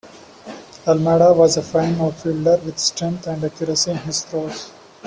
Almada was a fine outfielder with strength and accuracy in his throws.